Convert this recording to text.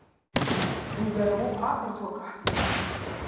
Уи бара боуп ақырҭуа каҳԥы!